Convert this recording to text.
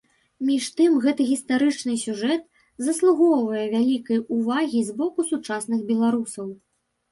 Між тым, гэты гістарычны сюжэт заслугоўвае вялікай увагі з боку сучасных беларусаў.